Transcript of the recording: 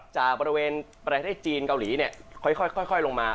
จากบริเวณประเทศจีนเกาหลีเนี่ยค่อยลงมา